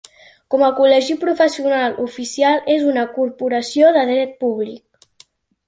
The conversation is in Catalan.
Com a col·legi professional oficial és una Corporació de dret públic.